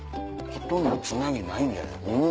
ほとんどつなぎないんじゃない？